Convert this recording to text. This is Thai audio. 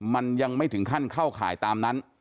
มันยังไม่ถึงขั้นเข้าข่ายตามนั้น